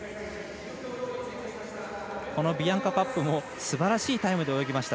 ビアンカ・パップもすばらしいタイムで泳ぎました。